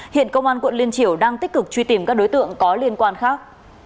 hiện công an quận liên triều đang tích cực truy tìm các đối tượng có liên quan khác